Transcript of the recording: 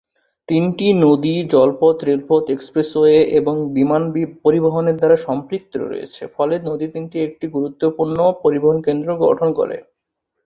তিনটি নদী জলপথ, রেলপথ, এক্সপ্রেসওয়ে এবং বিমান পরিবহনের দ্বারা সম্পৃক্ত রয়েছে, ফলে নদী তিনটি একটি গুরুত্বপূর্ণ পরিবহন কেন্দ্র গঠন করে।